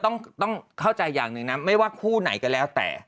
ต้องเข้าใจอย่างหนึ่งนะไม่ว่าคู่ไหนก็แล้วแต่